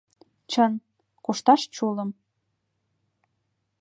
Чын, кушташ чулым.